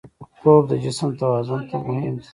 خوب د جسم توازن ته مهم دی